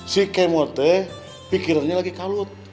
si kemot deh pikirannya lagi kalut